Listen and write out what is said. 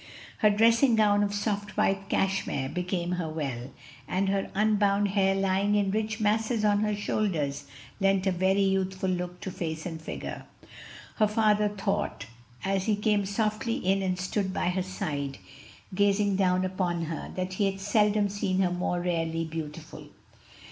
Her dressing gown of soft white cashmere became her well, and her unbound hair lying in rich masses on her shoulders lent a very youthful look to face and figure. Her father thought, as he came softly in and stood at her side, gazing down upon her, that he had seldom seen her more rarely beautiful.